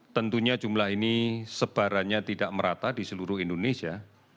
tentunya jumlah ini sebarannya tidak merata di seluruh indonesia